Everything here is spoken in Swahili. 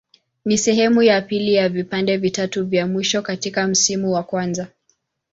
Ni sehemu ya pili ya vipande vitatu vya mwisho katika msimu wa kwanza.